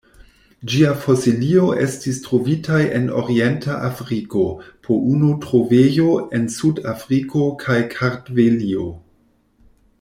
Ĝia fosilioj estis trovitaj en orienta Afriko, po unu trovejo en Sud-Afriko kaj Kartvelio.